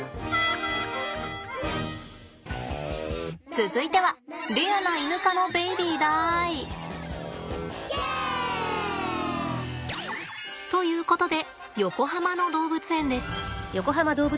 続いてはレアなイヌ科のベイビーだい。ということで横浜の動物園です。